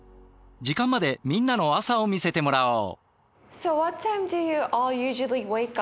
時間までみんなの朝を見せてもらおう。